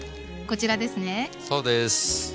そうです。